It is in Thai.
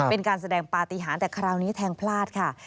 เป็นการแสดงปฏิหารแต่คราวนี้แทงพลาดค่ะ